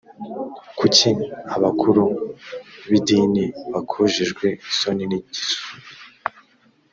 kuki abakuru b idini bakojejwe isoni n igisubi